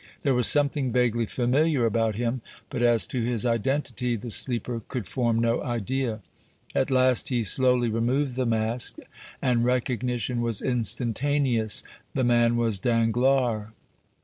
There was something vaguely familiar about him, but as to his identity the sleeper could form no idea. At last he slowly removed the mask, and recognition was instantaneous. The man was Danglars.